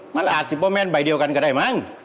มันอาจซุปเปอร์แมนใบเดียวกันก็ได้มั้ง